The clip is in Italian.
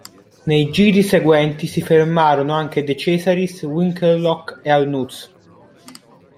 Nei giri seguenti si fermarono anche De Cesaris, Winkelhock e Arnoux.